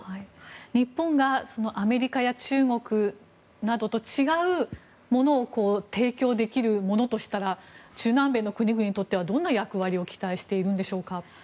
日本がアメリカや中国などと違うものを提供できるものとしたら中南米の国々にとったらどんな役割を期待しているんでしょうか？